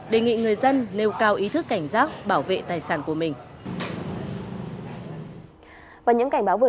đề nghị người dân nêu cao ý thức cảnh giác bảo vệ tài sản của mình